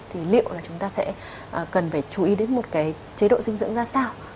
thì liệu là chúng ta sẽ cần phải chú ý đến một cái chế độ dinh dưỡng ra sao